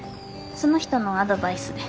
その人のアドバイスで。